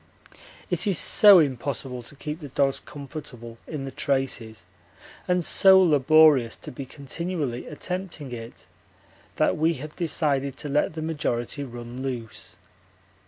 It is so impossible to keep the dogs comfortable in the traces and so laborious to be continually attempting it, that we have decided to let the majority run loose.